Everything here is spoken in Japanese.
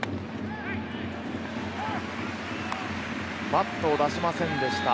バットを出しませんでした。